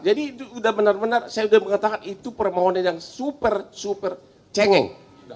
jadi udah benar benar saya udah mengatakan itu permohonannya yang super super cengeng